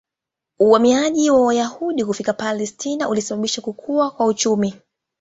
Uhamiaji wa Wayahudi kufika Palestina ulisababisha kukua kwa uchumi.